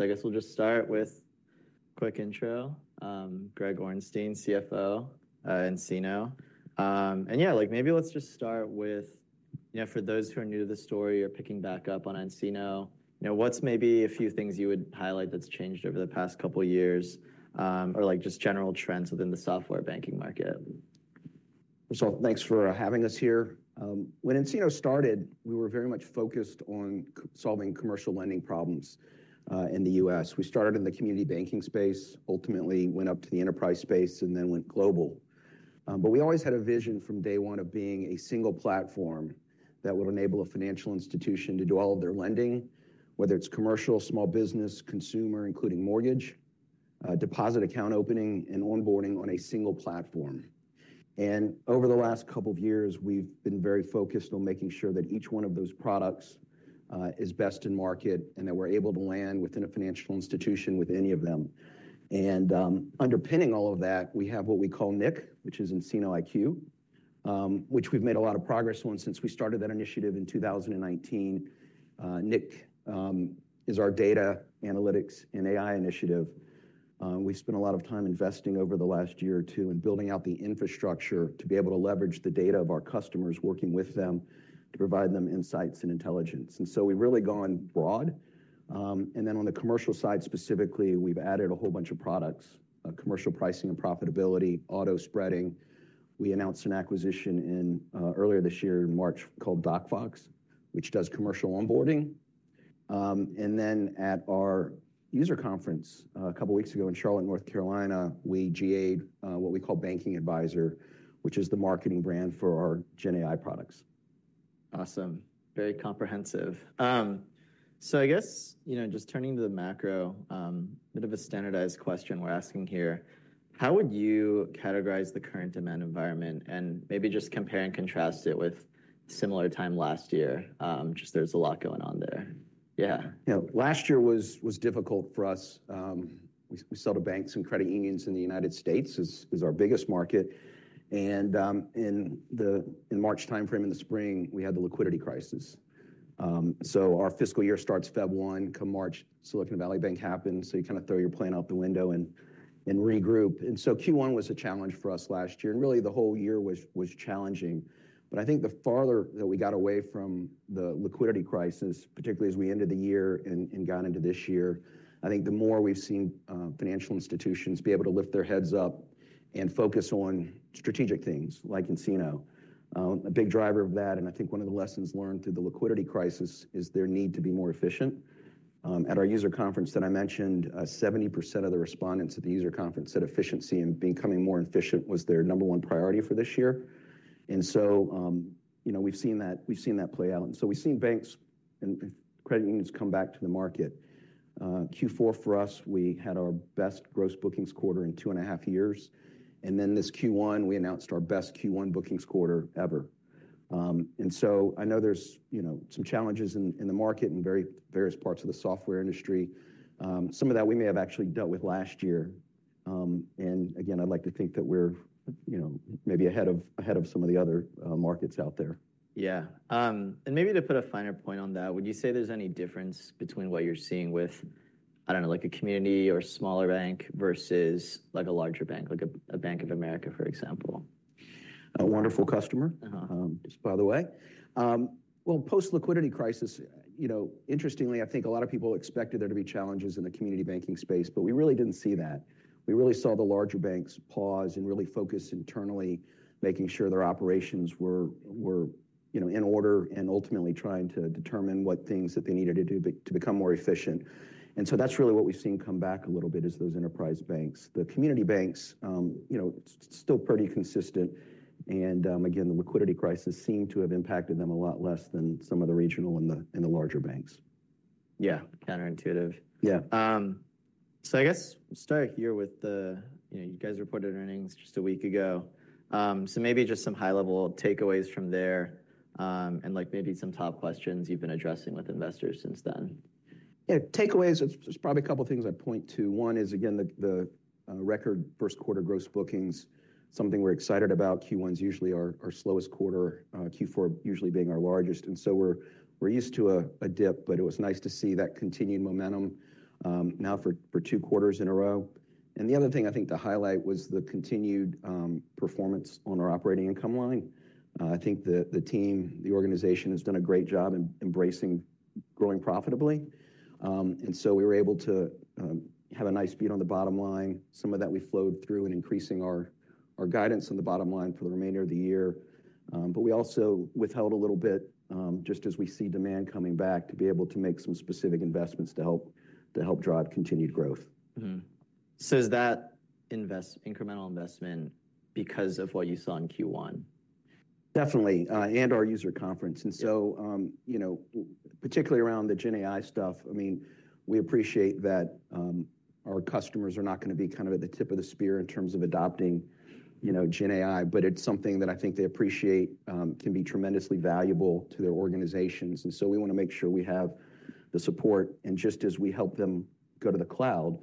I guess we'll just start with quick intro. Greg Orenstein, CFO, nCino. And yeah, like, maybe let's just start with, you know, for those who are new to the story or picking back up on nCino, you know, what's maybe a few things you would highlight that's changed over the past couple of years, or, like, just general trends within the software banking market? So thanks for having us here. When nCino started, we were very much focused on co-solving commercial lending problems in the U.S. We started in the community banking space, ultimately went up to the enterprise space, and then went global. But we always had a vision from day one of being a single platform that would enable a financial institution to do all of their lending, whether it's commercial, small business, consumer, including mortgage, deposit account opening and onboarding on a single platform. And over the last couple of years, we've been very focused on making sure that each one of those products is best in market, and that we're able to land within a financial institution with any of them. And, underpinning all of that, we have what we call nIQ, which is nCino IQ, which we've made a lot of progress on since we started that initiative in 2019. nIQ is our data analytics and AI initiative. We spent a lot of time investing over the last year or two and building out the infrastructure to be able to leverage the data of our customers, working with them, to provide them insights and intelligence. And so we've really gone broad. And then on the commercial side, specifically, we've added a whole bunch of products, a Commercial Pricing and Profitability, Auto Spreading. We announced an acquisition earlier this year in March called DocFox, which does commercial onboarding. Then at our user conference a couple of weeks ago in Charlotte, North Carolina, we GA'd what we call Banking Advisor, which is the marketing brand for our GenAI products. Awesome. Very comprehensive. So I guess, you know, just turning to the macro, bit of a standardized question we're asking here: how would you categorize the current demand environment? Maybe just compare and contrast it with similar time last year. Just, there's a lot going on there. Yeah. You know, last year was difficult for us. We sell to banks and credit unions in the United States, is our biggest market, and in the March timeframe, in the spring, we had the liquidity crisis. So our fiscal year starts February 1, come March, Silicon Valley Bank happens, so you kinda throw your plan out the window and regroup. And so Q1 was a challenge for us last year, and really, the whole year was challenging. But I think the farther that we got away from the liquidity crisis, particularly as we ended the year and got into this year, I think the more we've seen financial institutions be able to lift their heads up and focus on strategic things like nCino. A big driver of that, and I think one of the lessons learned through the liquidity crisis, is the need to be more efficient. At our user conference that I mentioned, 70% of the respondents at the user conference said efficiency and becoming more efficient was their number one priority for this year. And so, you know, we've seen that, we've seen that play out. And so we've seen banks and credit unions come back to the market. Q4 for us, we had our best gross bookings quarter in 2.5 years, and then this Q1, we announced our best Q1 bookings quarter ever. And so I know there's, you know, some challenges in the market and various parts of the software industry. Some of that we may have actually dealt with last year. And again, I'd like to think that we're, you know, maybe ahead of, ahead of some of the other markets out there. Yeah. And maybe to put a finer point on that, would you say there's any difference between what you're seeing with, I don't know, like a community or smaller bank versus, like a, a Bank of America, for example? A wonderful customer- Uh-huh... just by the way. Well, post-liquidity crisis, you know, interestingly, I think a lot of people expected there to be challenges in the community banking space, but we really didn't see that. We really saw the larger banks pause and really focus internally, making sure their operations were, you know, in order, and ultimately trying to determine what things that they needed to do to become more efficient. And so that's really what we've seen come back a little bit, is those enterprise banks. The community banks, you know, still pretty consistent, and, again, the liquidity crisis seemed to have impacted them a lot less than some of the regional and the larger banks. Yeah, counterintuitive. Yeah. So, I guess start here with the... You know, you guys reported earnings just a week ago. So, maybe just some high-level takeaways from there, and, like, maybe some top questions you've been addressing with investors since then. Yeah, takeaways, there's probably a couple of things I'd point to. One is, again, the record first quarter gross bookings, something we're excited about. Q1 is usually our slowest quarter, Q4 usually being our largest, and so we're used to a dip, but it was nice to see that continued momentum now for two quarters in a row. And the other thing I think to highlight was the continued performance on our operating income line. I think the team, the organization has done a great job in embracing growing profitably. And so we were able to have a nice beat on the bottom line. Some of that we flowed through in increasing our guidance on the bottom line for the remainder of the year. But we also withheld a little bit, just as we see demand coming back, to be able to make some specific investments to help drive continued growth. Mm-hmm. So is that incremental investment because of what you saw in Q1? Definitely, and our user conference. Yeah. And so, you know, particularly around the GenAI stuff, I mean, we appreciate that, our customers are not gonna be kind of at the tip of the spear in terms of adopting, you know, GenAI, but it's something that I think they appreciate, can be tremendously valuable to their organizations, and so we wanna make sure we have the support. And just as we help them go to the cloud,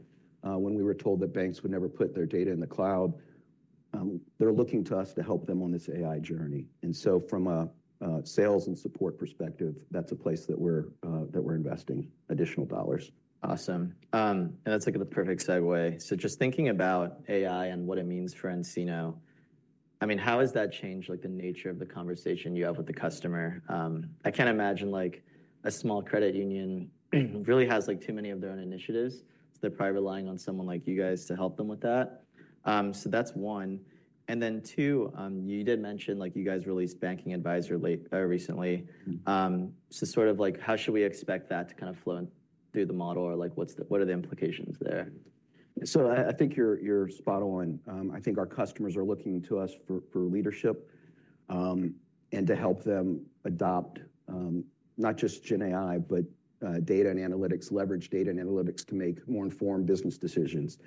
they're looking to us to help them on this AI journey. And so from a, sales and support perspective, that's a place that we're investing additional dollars. Awesome. And that's like the perfect segue. So just thinking about AI and what it means for nCino, I mean, how has that changed, like, the nature of the conversation you have with the customer? I can't imagine, like, a small credit union really has, like, too many of their own initiatives, so they're probably relying on someone like you guys to help them with that. So that's one. And then two, you did mention, like, you guys released Banking Advisor late recently. Mm-hmm. So sort of like how should we expect that to kind of flow through the model or like what's the—what are the implications there? So I think you're spot on. I think our customers are looking to us for leadership and to help them adopt not just GenAI, but data and analytics, leverage data and analytics to make more informed business decisions.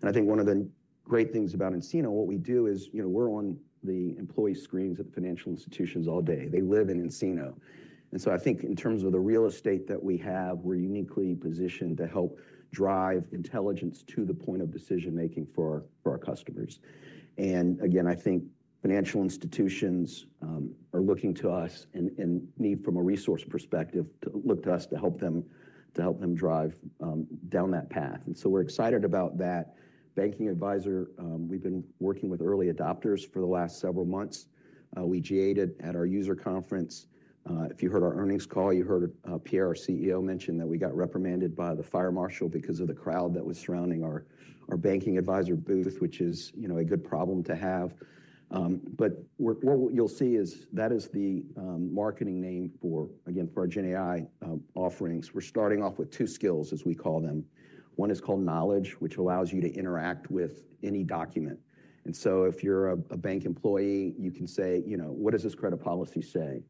And I think one of the great things about nCino, what we do is, you know, we're on the employee screens at the financial institutions all day. They live in nCino. And so I think in terms of the real estate that we have, we're uniquely positioned to help drive intelligence to the point of decision-making for our customers. And again, I think financial institutions are looking to us and need from a resource perspective to look to us to help them, to help them drive down that path. And so we're excited about that. Banking Advisor, we've been working with early adopters for the last several months. We GA'd it at our user conference. If you heard our earnings call, you heard Pierre, our CEO, mention that we got reprimanded by the fire marshal because of the crowd that was surrounding our Banking Advisor booth, which is, you know, a good problem to have. But what you'll see is that is the marketing name for, again, for our GenAI offerings. We're starting off with two skills, as we call them. One is called Knowledge, which allows you to interact with any document. And so if you're a bank employee, you can say, you know, "What does this credit policy say?"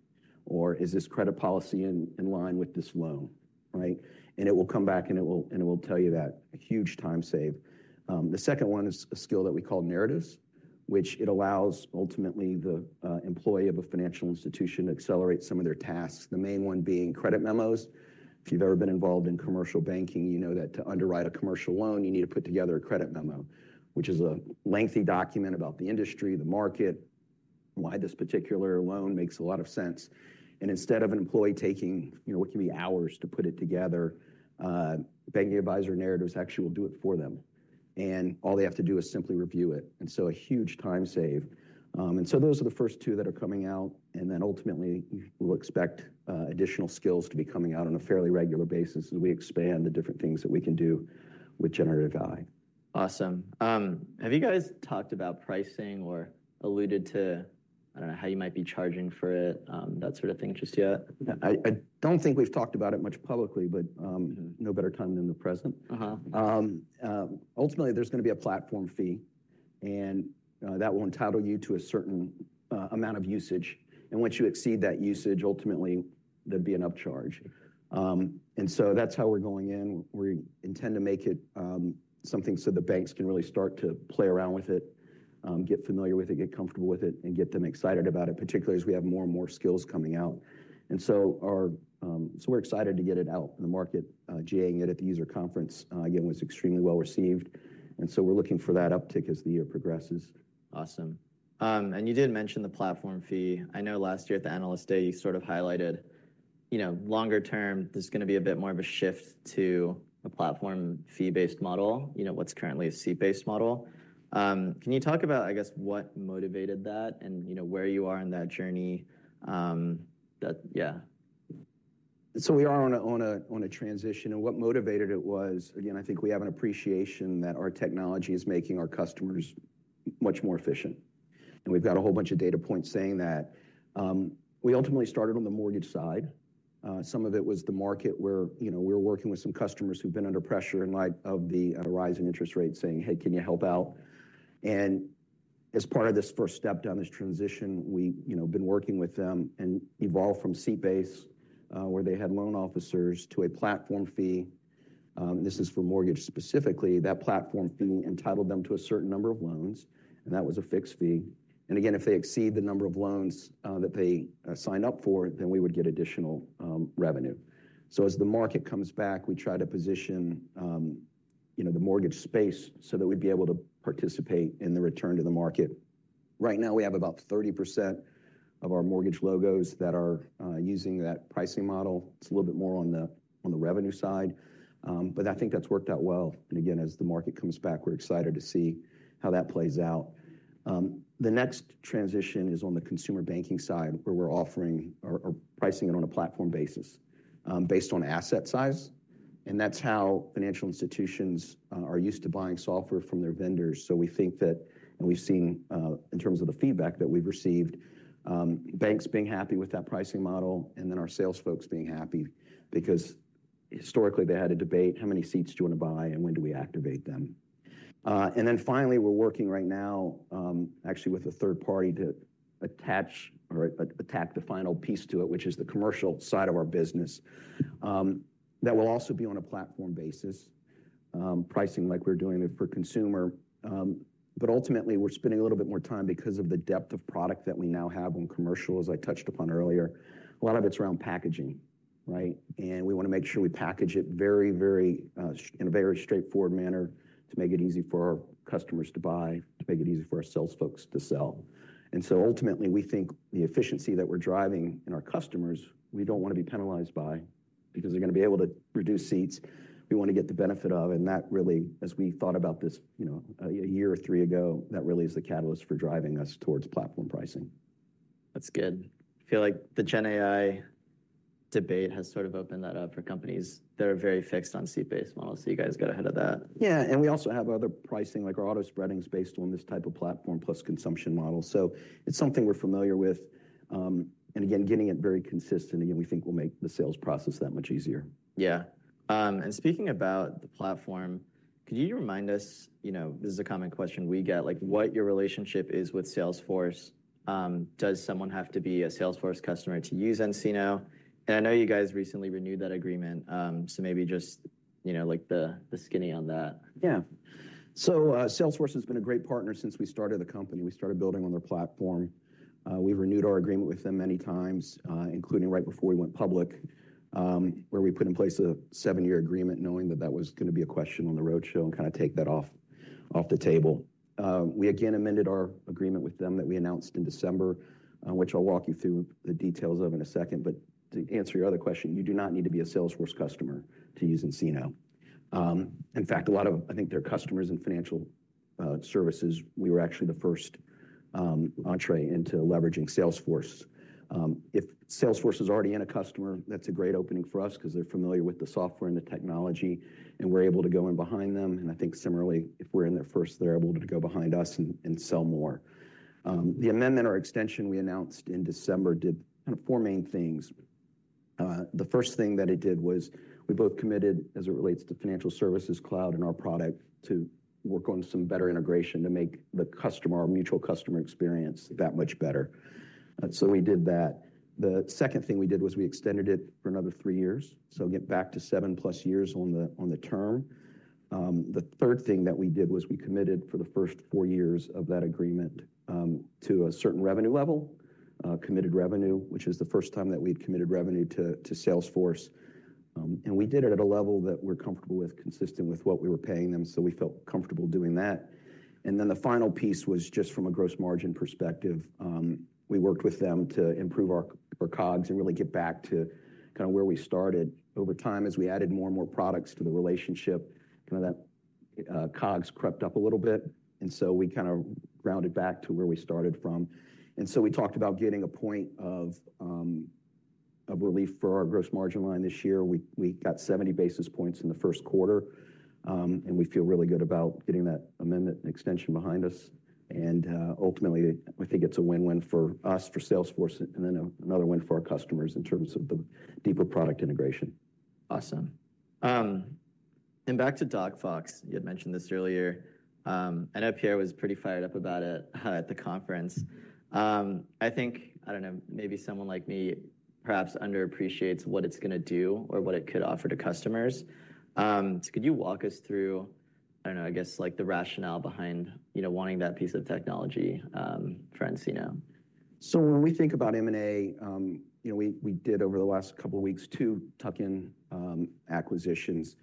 Or, "Is this credit policy in line with this loan?" Right? And it will come back, and it will, and it will tell you that. A huge time save. The second one is a skill that we call Narratives, which it allows, ultimately, the employee of a financial institution to accelerate some of their tasks, the main one being credit memos. If you've ever been involved in commercial banking, you know that to underwrite a commercial loan, you need to put together a credit memo, which is a lengthy document about the industry, the market, why this particular loan makes a lot of sense. And instead of an employee taking, you know, what can be hours to put it together, Banking Advisor Narratives actually will do it for them. And all they have to do is simply review it, and so a huge time save. And so those are the first two that are coming out, and then ultimately, we'll expect additional skills to be coming out on a fairly regular basis as we expand the different things that we can do with generative AI. Awesome. Have you guys talked about pricing or alluded to, I don't know, how you might be charging for it, that sort of thing just yet? I don't think we've talked about it much publicly, but no better time than the present. Uh-huh. Ultimately, there's gonna be a platform fee, and that will entitle you to a certain amount of usage. And once you exceed that usage, ultimately, there'd be an upcharge. And so that's how we're going in. We intend to make it something so the banks can really start to play around with it, get familiar with it, get comfortable with it, and get them excited about it, particularly as we have more and more skills coming out. So we're excited to get it out in the market. GA-ing it at the user conference, again, was extremely well received, and so we're looking for that uptick as the year progresses. Awesome. And you did mention the platform fee. I know last year at the Analyst Day, you sort of highlighted, you know, longer term, there's gonna be a bit more of a shift to a platform fee-based model, you know, what's currently a seat-based model. Can you talk about, I guess, what motivated that, and you know, where you are in that journey, that... Yeah. So we are on a transition, and what motivated it was, again, I think we have an appreciation that our technology is making our customers much more efficient. And we've got a whole bunch of data points saying that. We ultimately started on the mortgage side. Some of it was the market where, you know, we were working with some customers who've been under pressure in light of the rise in interest rates, saying, "Hey, can you help out?" And as part of this first step down this transition, we, you know, been working with them and evolved from seat-based, where they had loan officers, to a platform fee. This is for mortgage specifically. That platform fee entitled them to a certain number of loans, and that was a fixed fee. Again, if they exceed the number of loans that they signed up for, then we would get additional revenue. So as the market comes back, we try to position, you know, the mortgage space so that we'd be able to participate in the return to the market. Right now, we have about 30% of our mortgage logos that are using that pricing model. It's a little bit more on the revenue side, but I think that's worked out well. And again, as the market comes back, we're excited to see how that plays out. The next transition is on the consumer banking side, where we're offering or pricing it on a platform basis, based on asset size, and that's how financial institutions are used to buying software from their vendors. So we think that, and we've seen, in terms of the feedback that we've received, banks being happy with that pricing model and then our sales folks being happy. Because historically, they had to debate how many seats do you want to buy and when do we activate them. And then finally, we're working right now, actually with a third party to attach the final piece to it, which is the commercial side of our business, that will also be on a platform basis. Pricing like we're doing it for consumer. But ultimately, we're spending a little bit more time because of the depth of product that we now have on commercial, as I touched upon earlier. A lot of it's around packaging, right? And we wanna make sure we package it very, very in a very straightforward manner to make it easy for our customers to buy, to make it easy for our sales folks to sell. And so ultimately, we think the efficiency that we're driving in our customers, we don't want to be penalized by because they're gonna be able to reduce seats. We want to get the benefit of, and that really, as we thought about this, you know, a year or three ago, that really is the catalyst for driving us towards platform pricing. That's good. I feel like the GenAI debate has sort of opened that up for companies that are very fixed on seat-based models. So you guys got ahead of that. Yeah, and we also have other pricing, like our Auto Spreading is based on this type of platform plus consumption model. So it's something we're familiar with, and again, getting it very consistent, again, we think will make the sales process that much easier. Yeah. And speaking about the platform, could you remind us, you know, this is a common question we get, like, what your relationship is with Salesforce? Does someone have to be a Salesforce customer to use nCino? And I know you guys recently renewed that agreement, so maybe just, you know, like the, the skinny on that. Yeah. So, Salesforce has been a great partner since we started the company. We started building on their platform. We've renewed our agreement with them many times, including right before we went public, where we put in place a seven-year agreement, knowing that was gonna be a question on the roadshow and kinda take that off the table. We again amended our agreement with them that we announced in December, which I'll walk you through the details of in a second. But to answer your other question, you do not need to be a Salesforce customer to use nCino. In fact, a lot of, I think, their customers in financial services, we were actually the first entree into leveraging Salesforce. If Salesforce is already in a customer, that's a great opening for us 'cause they're familiar with the software and the technology, and we're able to go in behind them. And I think similarly, if we're in there first, they're able to go behind us and sell more. The amendment or extension we announced in December did kind of four main things. The first thing that it did was we both committed, as it relates to Financial Services Cloud and our product, to work on some better integration to make the customer or mutual customer experience that much better. And so we did that. The second thing we did was we extended it for another three years, so get back to seven-plus years on the term. The third thing that we did was we committed for the first four years of that agreement to a certain revenue level, committed revenue, which is the first time that we'd committed revenue to Salesforce. And we did it at a level that we're comfortable with, consistent with what we were paying them, so we felt comfortable doing that. And then the final piece was just from a gross margin perspective. We worked with them to improve our COGS and really get back to kinda where we started. Over time, as we added more and more products to the relationship, kinda that COGS crept up a little bit, and so we kinda rounded back to where we started from. And so we talked about getting a point of relief for our gross margin line this year. We got 70 basis points in the first quarter, and we feel really good about getting that amendment and extension behind us. Ultimately, I think it's a win-win for us, for Salesforce, and then another win for our customers in terms of the deeper product integration. Awesome. And back to DocFox. You had mentioned this earlier, and I know Pierre was pretty fired up about it at the conference. I think, I don't know, maybe someone like me perhaps under appreciates what it's gonna do or what it could offer to customers. So could you walk us through, I don't know, I guess, like, the rationale behind, you know, wanting that piece of technology for nCino? So when we think about M&A, you know, we did over the last couple of weeks, two tuck-in acquisitions.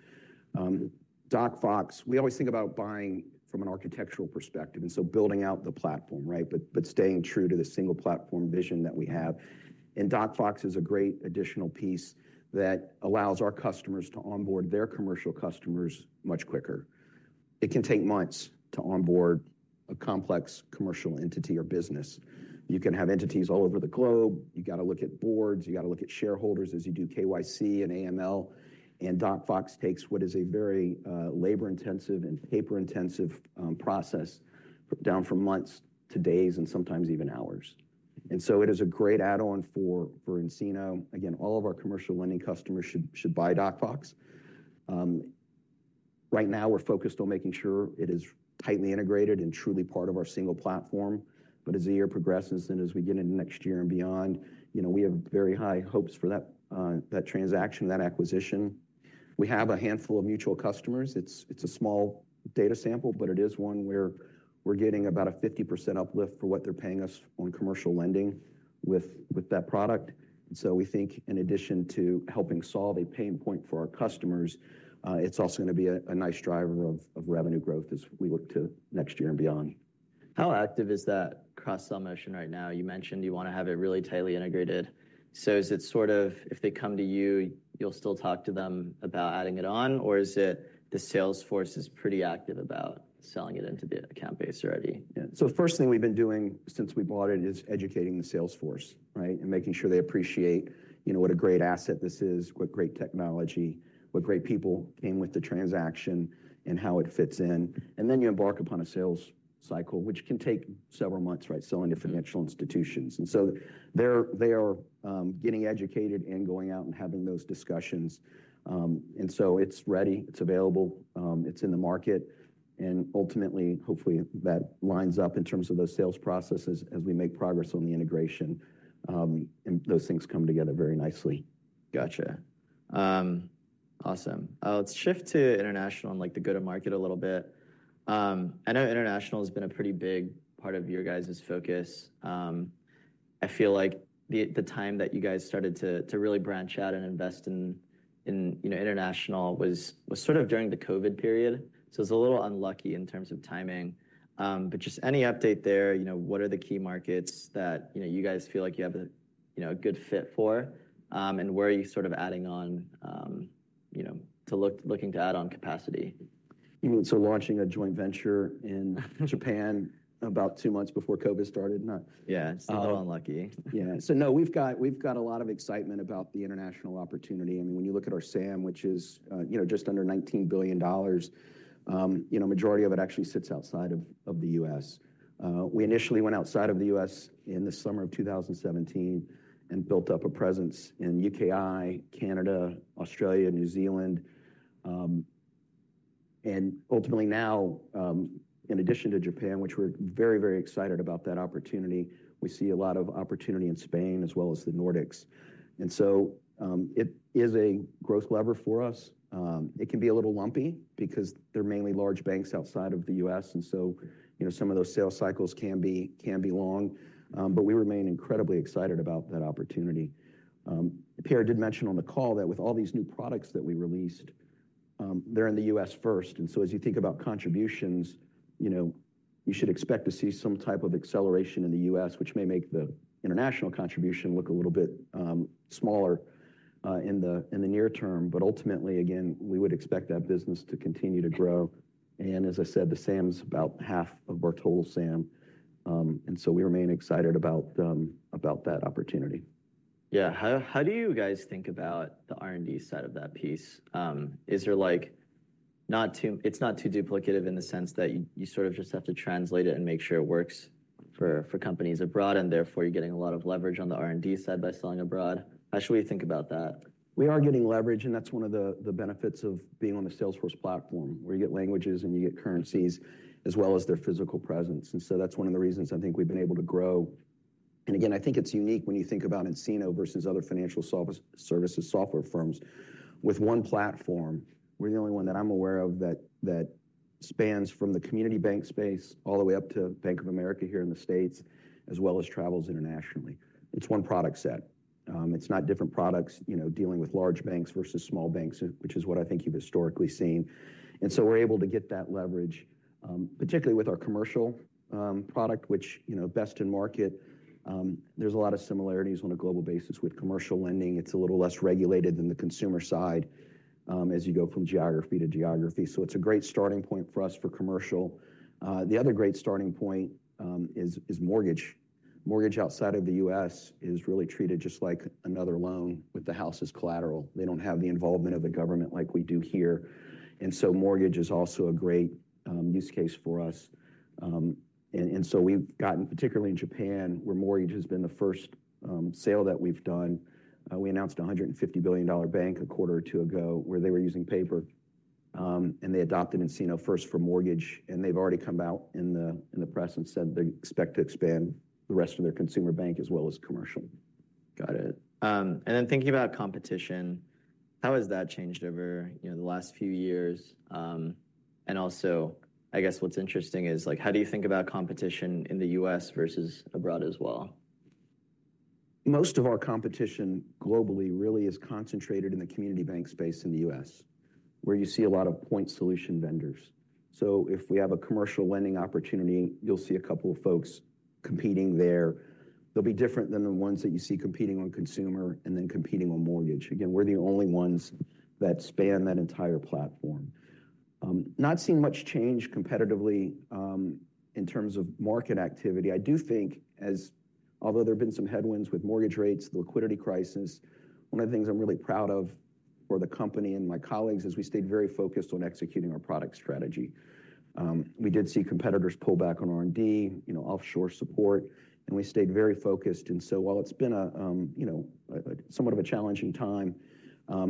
DocFox, we always think about buying from an architectural perspective, and so building out the platform, right? But staying true to the single platform vision that we have. And DocFox is a great additional piece that allows our customers to onboard their commercial customers much quicker. It can take months to onboard a complex commercial entity or business. You can have entities all over the globe. You gotta look at boards, you gotta look at shareholders as you do KYC and AML, and DocFox takes what is a very labor-intensive and paper-intensive process down from months to days and sometimes even hours. And so it is a great add-on for nCino. Again, all of our commercial lending customers should buy DocFox. Right now, we're focused on making sure it is tightly integrated and truly part of our single platform. But as the year progresses and as we get into next year and beyond, you know, we have very high hopes for that, that transaction, that acquisition. We have a handful of mutual customers. It's a small data sample, but it is one where we're getting about a 50% uplift for what they're paying us on Commercial Lending with that product. So we think in addition to helping solve a pain point for our customers, it's also gonna be a nice driver of revenue growth as we look to next year and beyond. How active is that cross-sell motion right now? You mentioned you want to have it really tightly integrated. So is it sort of if they come to you, you'll still talk to them about adding it on, or is it the sales force is pretty active about selling it into the account base already? Yeah. So the first thing we've been doing since we bought it is educating the sales force, right? And making sure they appreciate, you know, what a great asset this is, what great technology, what great people came with the transaction and how it fits in. And then you embark upon a sales cycle, which can take several months, right? Selling to financial institutions. And so they're getting educated and going out and having those discussions. And so it's ready, it's available, it's in the market, and ultimately, hopefully, that lines up in terms of those sales processes as we make progress on the integration, and those things come together very nicely. Gotcha. Awesome. Let's shift to international and, like, the go-to-market a little bit. I know international has been a pretty big part of your guys' focus. I feel like the time that you guys started to really branch out and invest in international was sort of during the COVID period. So it's a little unlucky in terms of timing. But just any update there, you know, what are the key markets that you guys feel like you have a good fit for? And where are you sort of adding on, you know, looking to add on capacity? You mean, so launching a joint venture in Japan about two months before COVID started? No. Yeah, so they're unlucky. Yeah. So no, we've got, we've got a lot of excitement about the international opportunity. I mean, when you look at our SAM, which is, you know, just under $19 billion, you know, majority of it actually sits outside of the U.S. We initially went outside of the U.S. in the summer of 2017 and built up a presence in UKI, Canada, Australia, New Zealand. And ultimately now, in addition to Japan, which we're very, very excited about that opportunity, we see a lot of opportunity in Spain as well as the Nordics. And so, it is a growth lever for us. It can be a little lumpy because they're mainly large banks outside of the US, and so, you know, some of those sales cycles can be long, but we remain incredibly excited about that opportunity. Pierre did mention on the call that with all these new products that we released, they're in the US first. And so as you think about contributions, you know, you should expect to see some type of acceleration in the US, which may make the international contribution look a little bit smaller in the near term. But ultimately, again, we would expect that business to continue to grow. And as I said, the SAM's about half of our total SAM, and so we remain excited about that opportunity. Yeah. How, how do you guys think about the R&D side of that piece? Is there like, not too—it's not too duplicative in the sense that you, you sort of just have to translate it and make sure it works for, for companies abroad, and therefore, you're getting a lot of leverage on the R&D side by selling abroad. How should we think about that? We are getting leverage, and that's one of the benefits of being on the Salesforce platform, where you get languages and you get currencies, as well as their physical presence. So that's one of the reasons I think we've been able to grow. Again, I think it's unique when you think about nCino versus other financial services software firms. With one platform, we're the only one that I'm aware of that spans from the community bank space all the way up to Bank of America here in the States, as well as travels internationally. It's one product set. It's not different products, you know, dealing with large banks versus small banks, which is what I think you've historically seen. So we're able to get that leverage, particularly with our commercial product, which, you know, best in market. There's a lot of similarities on a global basis with commercial lending. It's a little less regulated than the consumer side, as you go from geography to geography. So it's a great starting point for us for commercial. The other great starting point is mortgage. Mortgage outside of the U.S. is really treated just like another loan with the house as collateral. They don't have the involvement of the government like we do here. And so mortgage is also a great use case for us. And so we've gotten, particularly in Japan, where mortgage has been the first sale that we've done. We announced a $150 billion bank a quarter or two ago, where they were using paper, and they adopted nCino first for mortgage, and they've already come out in the, in the press and said they expect to expand the rest of their consumer bank as well as commercial. Got it. And then thinking about competition, how has that changed over, you know, the last few years? And also, I guess what's interesting is, like, how do you think about competition in the U.S. versus abroad as well? Most of our competition globally really is concentrated in the community bank space in the U.S., where you see a lot of point solution vendors. So if we have a commercial lending opportunity, you'll see a couple of folks competing there. They'll be different than the ones that you see competing on consumer and then competing on mortgage. Again, we're the only ones that span that entire platform. Not seeing much change competitively, in terms of market activity. I do think although there have been some headwinds with mortgage rates, the liquidity crisis, one of the things I'm really proud of for the company and my colleagues is we stayed very focused on executing our product strategy. We did see competitors pull back on R&D, you know, offshore support, and we stayed very focused. So while it's been a, you know, somewhat of a challenging time,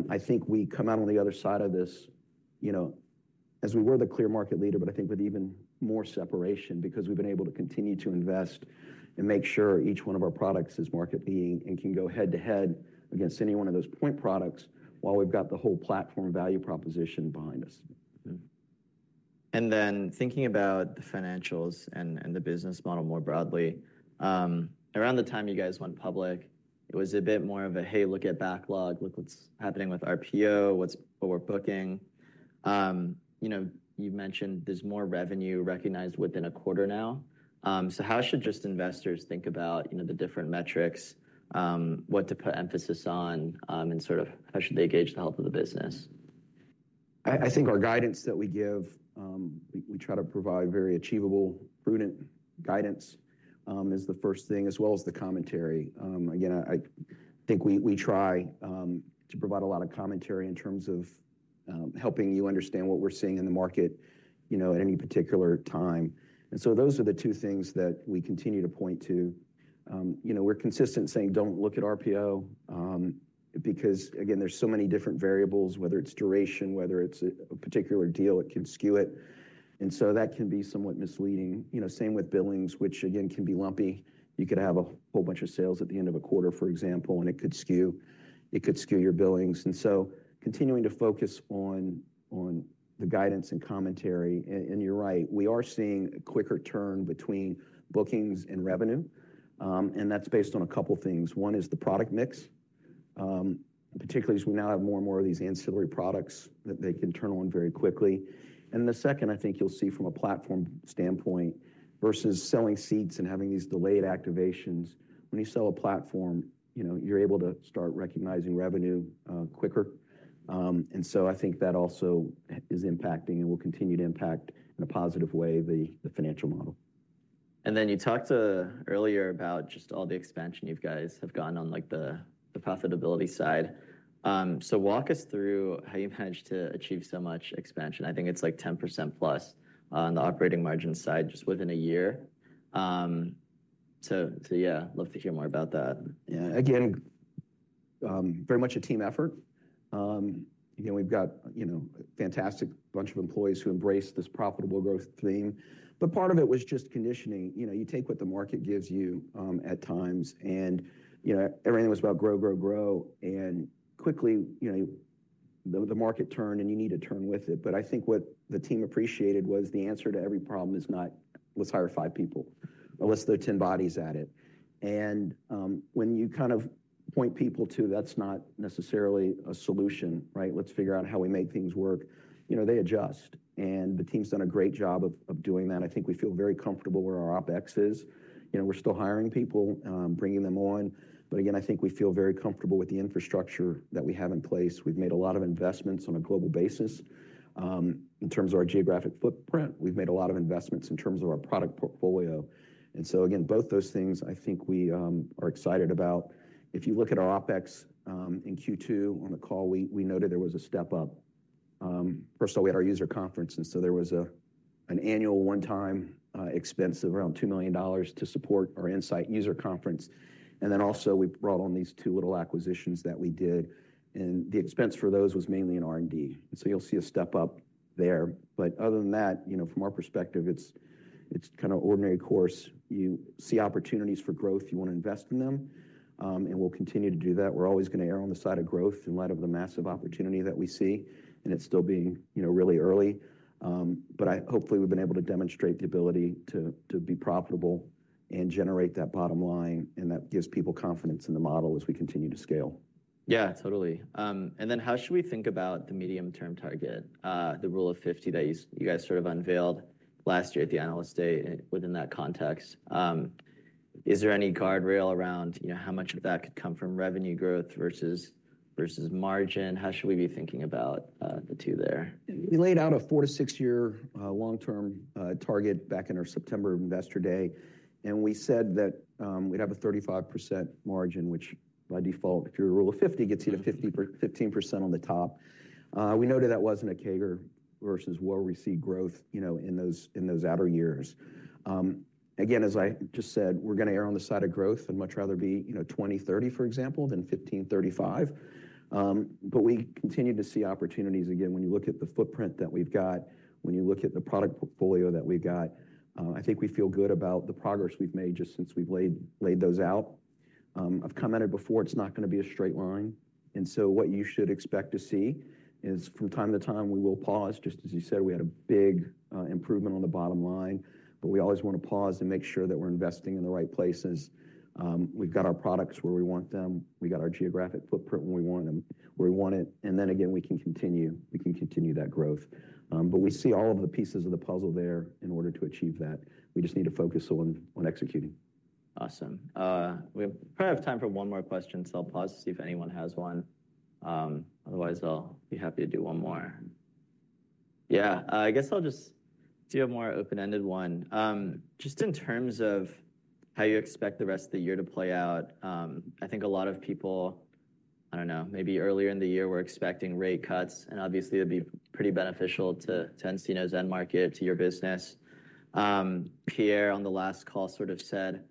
I think we come out on the other side of this, you know, as we were the clear market leader, but I think with even more separation, because we've been able to continue to invest and make sure each one of our products is market-leading and can go head-to-head against any one of those point products, while we've got the whole platform value proposition behind us. Mm-hmm. And then thinking about the financials and, and the business model more broadly, around the time you guys went public, it was a bit more of a, "Hey, look at backlog, look what's happening with our PO, what we're booking." You know, you've mentioned there's more revenue recognized within a quarter now. So how should just investors think about, you know, the different metrics, what to put emphasis on, and sort of how should they gauge the health of the business? I think our guidance that we give, we try to provide very achievable, prudent guidance is the first thing, as well as the commentary. Again, I think we try to provide a lot of commentary in terms of helping you understand what we're seeing in the market, you know, at any particular time. And so those are the two things that we continue to point to. You know, we're consistent in saying don't look at RPO because, again, there's so many different variables, whether it's duration, whether it's a particular deal, it can skew it. And so that can be somewhat misleading. You know, same with Billings, which again, can be lumpy. You could have a whole bunch of sales at the end of a quarter, for example, and it could skew it could skew your Billings. Continuing to focus on the guidance and commentary, and you're right, we are seeing a quicker turn between bookings and revenue. That's based on a couple things. One is the product mix, particularly as we now have more and more of these ancillary products that they can turn on very quickly. The second, I think you'll see from a platform standpoint, versus selling seats and having these delayed activations, when you sell a platform, you know, you're able to start recognizing revenue quicker. So I think that also is impacting and will continue to impact in a positive way, the financial model. And then you talked earlier about just all the expansion you guys have gotten on, like, the profitability side. So walk us through how you managed to achieve so much expansion. I think it's, like, 10% plus on the operating margin side, just within a year. So, so yeah, love to hear more about that. Yeah. Again, very much a team effort. Again, we've got, you know, a fantastic bunch of employees who embrace this profitable growth theme, but part of it was just conditioning. You know, you take what the market gives you, at times, and, you know, everything was about grow, grow, grow, and quickly, you know, the market turned, and you need to turn with it. But I think what the team appreciated was the answer to every problem is not, "Let's hire five people, or let's throw 10 bodies at it." And, when you kind of point people to, that's not necessarily a solution, right? Let's figure out how we make things work, you know, they adjust, and the team's done a great job of doing that. I think we feel very comfortable where our OpEx is. You know, we're still hiring people, bringing them on, but again, I think we feel very comfortable with the infrastructure that we have in place. We've made a lot of investments on a global basis. In terms of our geographic footprint, we've made a lot of investments in terms of our product portfolio. And so again, both those things, I think we are excited about. If you look at our OpEx in Q2 on the call, we noted there was a step up. First of all, we had our user conference, and so there was an annual one-time expense of around $2 million to support our nSight user conference. And then also, we brought on these two little acquisitions that we did, and the expense for those was mainly in R&D. And so you'll see a step up there. But other than that, you know, from our perspective, it's kind of ordinary course. You see opportunities for growth, you want to invest in them, and we'll continue to do that. We're always going to err on the side of growth in light of the massive opportunity that we see, and it's still being, you know, really early. But hopefully, we've been able to demonstrate the ability to be profitable and generate that bottom line, and that gives people confidence in the model as we continue to scale. Yeah, totally. And then how should we think about the medium-term target, the Rule of 50 that you guys sort of unveiled last year at the Analyst Day within that context? Is there any guardrail around, you know, how much of that could come from revenue growth versus margin? How should we be thinking about the two there? We laid out a four to six year, long-term, target back in our September Investor Day, and we said that, we'd have a 35% margin, which by default, if your rule of 50 gets you to 50%, 15% on the top. We noted that wasn't a CAGR versus where we see growth, you know, in those, in those outer years. Again, as I just said, we're going to err on the side of growth and much rather be, you know, 20/30, for example, than 15/35. But we continue to see opportunities again, when you look at the footprint that we've got, when you look at the product portfolio that we've got, I think we feel good about the progress we've made just since we've laid, laid those out. I've commented before, it's not going to be a straight line, and so what you should expect to see is from time to time, we will pause. Just as you said, we had a big, improvement on the bottom line, but we always want to pause and make sure that we're investing in the right places. We've got our products where we want them, we got our geographic footprint when we want them, where we want it, and then again, we can continue, we can continue that growth. But we see all of the pieces of the puzzle there in order to achieve that. We just need to focus on, on executing. Awesome. We probably have time for one more question, so I'll pause to see if anyone has one. Otherwise, I'll be happy to do one more. Yeah, I guess I'll just do a more open-ended one. Just in terms of how you expect the rest of the year to play out, I think a lot of people, I don't know, maybe earlier in the year were expecting rate cuts, and obviously, it'd be pretty beneficial to, to nCino's end market, to your business. Pierre, on the last call, sort of said,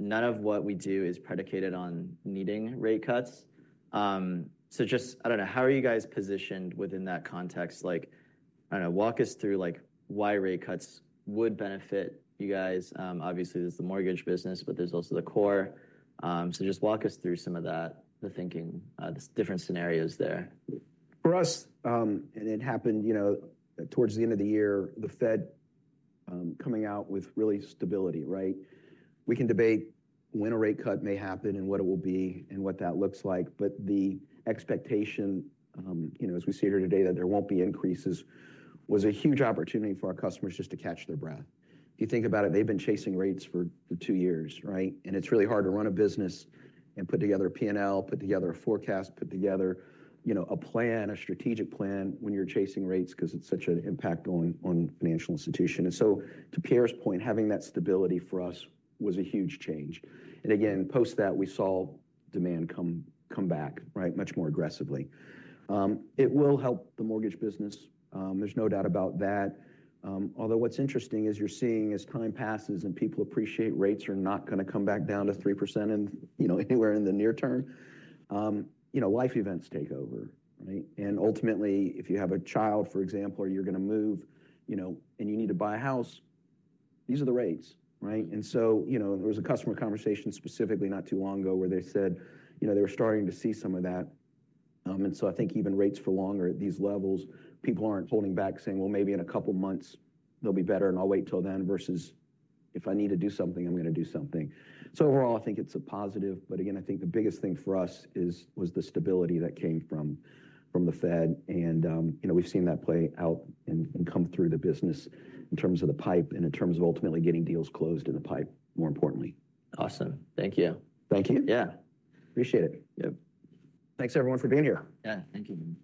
"None of what we do is predicated on needing rate cuts." So just, I don't know, how are you guys positioned within that context? Like, I don't know, walk us through, like, why rate cuts would benefit you guys. Obviously, there's the mortgage business, but there's also the core. So, just walk us through some of that, the thinking, different scenarios there. For us, and it happened, you know, towards the end of the year, the Fed, coming out with real stability, right? We can debate when a rate cut may happen and what it will be and what that looks like, but the expectation, you know, as we see it here today, that there won't be increases, was a huge opportunity for our customers just to catch their breath. If you think about it, they've been chasing rates for two years, right? And it's really hard to run a business and put together a P&L, put together a forecast, put together, you know, a plan, a strategic plan when you're chasing rates because it's such an impact on, on financial institution. And so to Pierre's point, having that stability for us was a huge change. Again, post that, we saw demand come back, right, much more aggressively. It will help the mortgage business. There's no doubt about that. Although what's interesting is you're seeing as time passes and people appreciate rates are not gonna come back down to 3% and, you know, anywhere in the near term, you know, life events take over, right? And ultimately, if you have a child, for example, or you're gonna move, you know, and you need to buy a house, these are the rates, right? And so, you know, there was a customer conversation specifically not too long ago, where they said, you know, they were starting to see some of that. And so I think even rates for longer at these levels, people aren't holding back saying: "Well, maybe in a couple of months, they'll be better, and I'll wait till then," versus, "If I need to do something, I'm going to do something." So overall, I think it's a positive, but again, I think the biggest thing for us was the stability that came from the Fed, and, you know, we've seen that play out and come through the business in terms of the pipe and in terms of ultimately getting deals closed in the pipe, more importantly. Awesome. Thank you. Thank you. Yeah. Appreciate it. Yep. Thanks, everyone, for being here. Yeah, thank you.